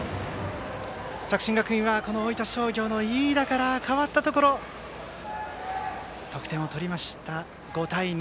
作新学院は大分商業の飯田から代わったところで得点を取って５対２。